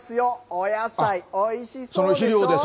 お野菜、おいしそうでしょ。